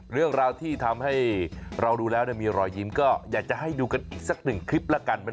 เรื่องราวที่ทำให้เราดูแล้วมีรอยยิ้มก็อยากจะให้ดูกันอีกสักหนึ่งคลิปแล้วกัน